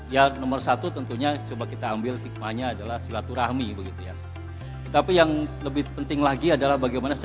yang nomor satu tentunya coba kita ambil sikmanya adalah silaturahmi begitu ya tapi yang lebih